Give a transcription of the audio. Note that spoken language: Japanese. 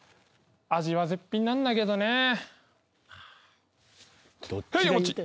味は絶品なんだけどね。